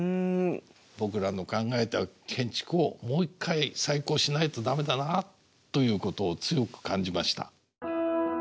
僕らの考えた建築をもう一回再考しないと駄目だなということを強く感じました。